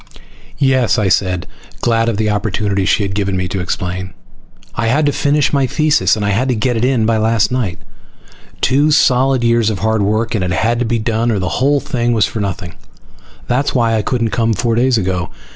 "Yes," I said, glad of the opportunity she had given me to explain. "I had to finish my thesis and get it in by last night. Two solid years of hard work and it had to be done or the whole thing was for nothing. That's why I couldn't come four days ago.